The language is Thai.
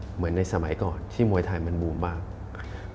เหมือนในสมัยก่อนที่มวยไทยมันบูมมาก